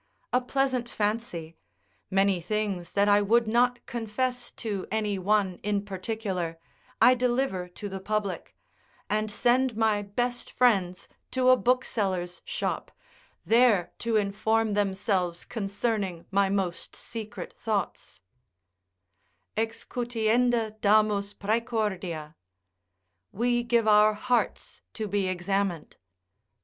A pleasant fancy: many things that I would not confess to any one in particular, I deliver to the public, and send my best friends to a bookseller's shop, there to inform themselves concerning my most secret thoughts; "Excutienda damus praecordia." ["We give our hearts to be examined."